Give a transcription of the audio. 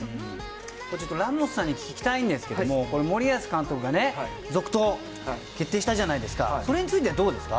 ラモスさんに聞きたいんですが森保監督が続投決定したじゃないですかそれについてはどうですか？